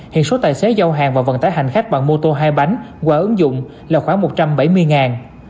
hiện số tài xế giao hàng và vận tải hành khách bằng mô tô hai bánh qua ứng dụng là khoảng một trăm bảy mươi